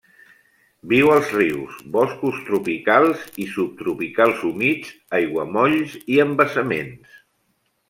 Viu als rius, boscos tropicals i subtropicals humits, aiguamolls i embassaments.